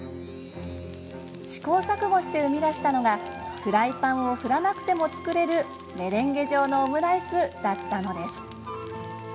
試行錯誤して生み出したのがフライパンを振らなくても作れるメレンゲ状のオムライスだったのです。